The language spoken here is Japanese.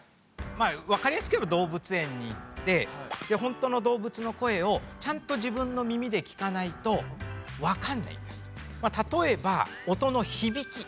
まあわかりやすく言えば動物園に行って本当の動物の声をちゃんと自分の耳で聞かないとわかんないんです。